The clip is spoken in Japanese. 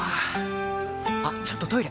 あっちょっとトイレ！